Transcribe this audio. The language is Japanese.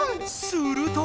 すると。